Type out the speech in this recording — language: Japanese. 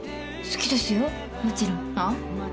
好きですよもちろん。は？